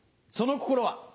その心は。